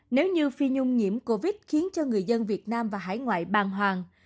nếu như phi nhung nhiễm covid khiến cho người dân việt nam và hải ngoại bàng hoàng